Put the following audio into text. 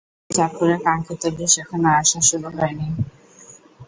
কিন্তু চাঁদপুরে কাঙ্ক্ষিত ইলিশ এখনো আসা শুরু হয়নি।